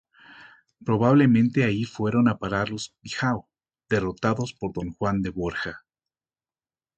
Probablemente allí fueron a parar Los Pijao, derrotados por don Juan de Borja.